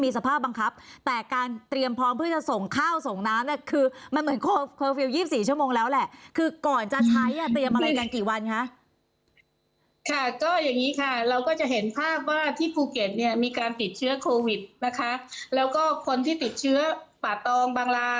ที่ภูเก็นเนี่ยมีการติดเชื้อโควิดนะคะแล้วก็คนที่ติดเชื้อป่าตองบังลา